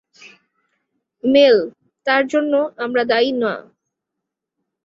Mail, তার জন্য আমরা দায়ী না।